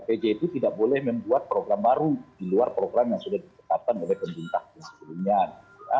pj itu tidak boleh membuat program baru di luar program yang sudah ditetapkan oleh pemerintah sebelumnya